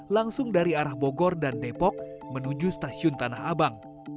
langsung dari arah bogor dan depok menuju stasiun tanah abang